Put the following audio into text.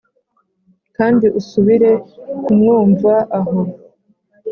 kandi usubire kumwumva aho,